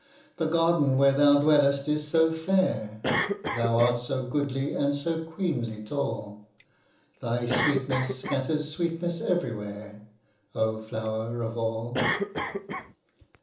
The garden where thou dwellest is so fair, Thou art so goodly and so queenly tall, Thy sweetness scatters sweetness everywhere, O flower of all!